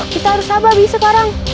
kita harus sabar bi sekarang